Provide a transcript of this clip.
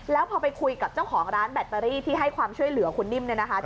แล้วพอไปคุยกับเจ้าของร้านแบตเตอรี่ที่ให้ความช่วยเหลือคุณนิ่มเนี่ยนะคะ